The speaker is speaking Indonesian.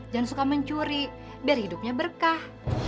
jangan suka mencuri biar hidupnya berkah